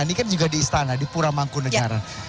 ini kan juga di istana di pura mangkunegara